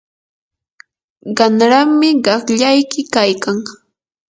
qanrami qaqllayki kaykan.